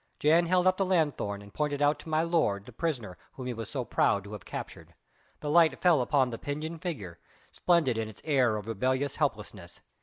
Jan held up the lanthorn and pointed out to my lord the prisoner whom he was so proud to have captured. The light fell upon the pinioned figure, splendid in its air of rebellious helplessness.